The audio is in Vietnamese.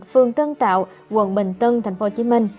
phương tân tạo quận bình tân tp hcm